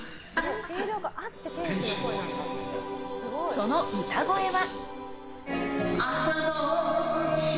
その歌声は。